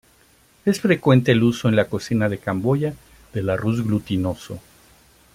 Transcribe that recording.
Es frecuente el uso en la cocina de Camboya del arroz glutinoso.